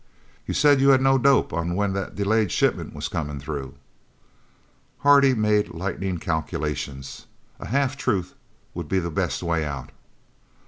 "You said you had no dope on when that delayed shipment was comin' through?" Hardy made lightning calculations. A half truth would be the best way out.